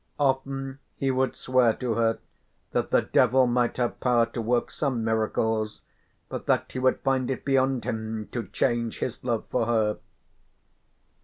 Often he would swear to her that the devil might have power to work some miracles, but that he would find it beyond him to change his love for her.